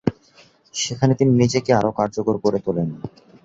সেখানে তিনি নিজেকে আরও কার্যকর করে তোলেন।